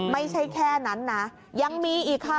ไม่ใช่แค่นั้นนะยังมีอีกค่ะ